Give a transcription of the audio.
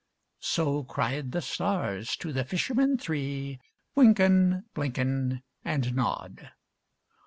So cried the stars to the fishermen three, Wynken, Blynken, And Nod.